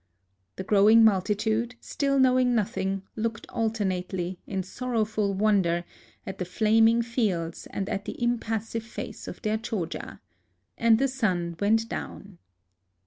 The growing multitude, still knowing nothing, looked alternately, in sor rowful wonder, at the flaming fields and at the impassive face of their Choja. And the sun went down.